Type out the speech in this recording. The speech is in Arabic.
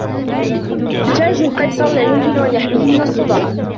تاج القيصر لا يمكن أن يحميه من الصداع.